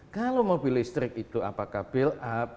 kalau mobil listrik itu apakah build up